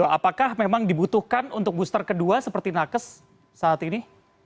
apakah memang dibutuhkan untuk booster kedua seperti nakes saat ini